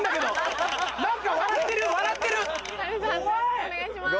判定お願いします。